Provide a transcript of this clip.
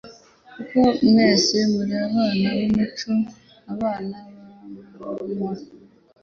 Kuko mwese muri abana b'umucyo n'abana b'amanywa,